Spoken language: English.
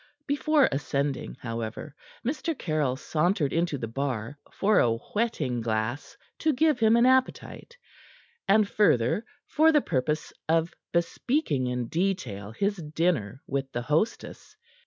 Before ascending, however, Mr. Caryll sauntered into the bar for a whetting glass to give him an appetite, and further for the purpose of bespeaking in detail his dinner with the hostess.